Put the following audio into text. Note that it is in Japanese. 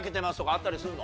あったりするの？